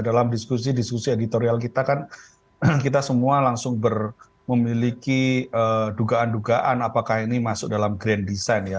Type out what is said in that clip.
dalam diskusi diskusi editorial kita kan kita semua langsung memiliki dugaan dugaan apakah ini masuk dalam grand design ya